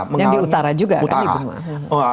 yang di utara juga kan ibu